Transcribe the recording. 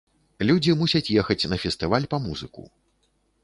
Людзі мусяць ехаць на фестываль па музыку.